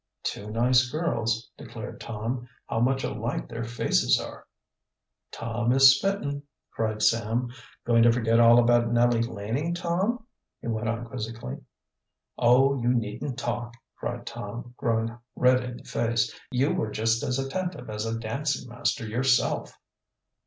"Two nice girls," declared Tom. "How much alike their faces are!" "Tom is smitten," cried Sam. "Going to forget all about Nellie Laning, Tom?" he went on quizzically. "Oh, you needn't talk!" cried Tom, growing red in the face. "You were just as attentive as a dancing master yourself."